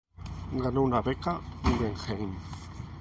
Ganó una Beca Guggenheim.